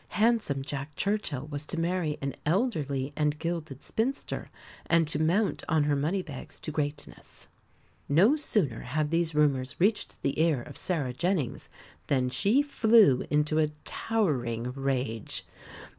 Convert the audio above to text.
Handsome Jack Churchill was to marry an elderly and gilded spinster, and to mount on her money bags to greatness! No sooner had these rumours reached the ear of Sarah Jennings than she flew into a towering rage.